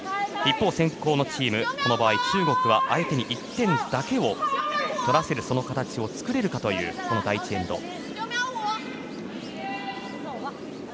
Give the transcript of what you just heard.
一方、先攻のチームこの場合中国は相手に１点だけを取らせる形を作れるかという第１エンド。